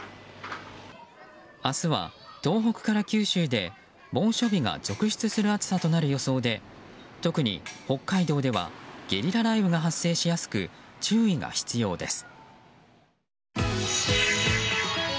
明日は東北から九州で猛暑日が続出する暑さとなる予想で特に北海道ではゲリラ雷雨が発生しやすく注意が必要です。